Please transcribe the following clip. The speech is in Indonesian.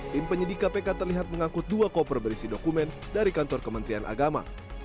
tim penyidik kpk terlihat mengangkut dua koper berisi dokumen dari kantor kementerian agama